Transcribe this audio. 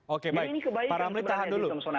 oke baik para amri tahan dulu